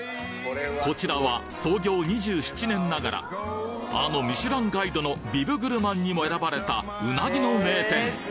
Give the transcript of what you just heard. こちらは創業２７年ながら、あのミシュランガイドのビブグルマンにも選ばれたうなぎの名店。